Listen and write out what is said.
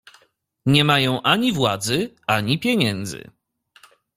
"Nie mają ani władzy, ani pieniędzy."